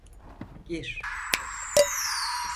Gir!